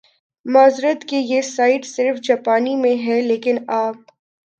معذرت کہ یہ سائیٹ صرف جاپانی میں ھے لیکن آ